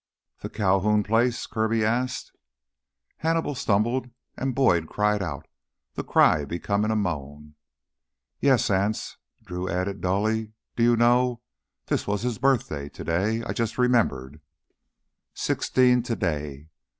"The Calhoun place?" Kirby asked. Hannibal stumbled, and Boyd cried out, the cry becoming a moan. "Yes. Anse ..." Drew added dully, "do you know ... this was his birthday today. I just remembered." Sixteen today....